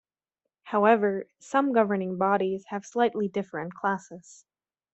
However, some governing bodies have slightly different classes.